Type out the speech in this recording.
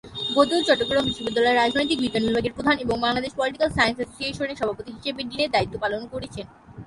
বদিউল চট্টগ্রাম বিশ্ববিদ্যালয়ের রাজনৈতিক বিজ্ঞান বিভাগের প্রধান এবং বাংলাদেশ পলিটিকাল সায়েন্স অ্যাসোসিয়েশনের সভাপতি হিসাবে ডিনের দায়িত্ব পালন করেছেন।